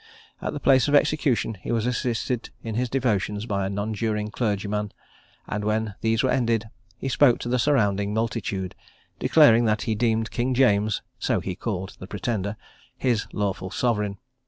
At the place of execution he was assisted in his devotions by a nonjuring clergyman; and when these were ended, he spoke to the surrounding multitude, declaring that he deemed King James (so he called the Pretender) his lawful sovereign.